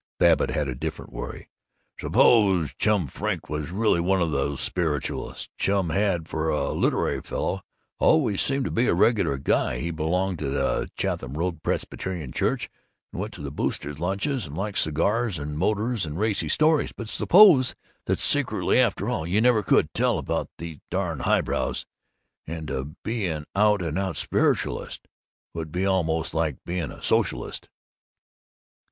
Babbitt had a different worry. "Suppose Chum Frink was really one of these spiritualists! Chum had, for a literary fellow, always seemed to be a Regular Guy; he belonged to the Chatham Road Presbyterian Church and went to the Boosters' lunches and liked cigars and motors and racy stories. But suppose that secretly After all, you never could tell about these darn highbrows; and to be an out and out spiritualist would be almost like being a socialist!"